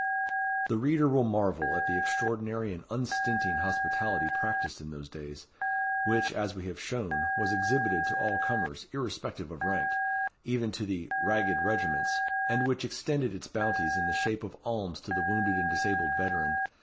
The reader will marvel at the extraordinary and unstinting hospitality practised in those days, which, as we have shown, was exhibited to all comers, irrespective of rank, even to the "ragged regiments," and which extended its bounties in the shape of alms to the wounded and disabled veteran.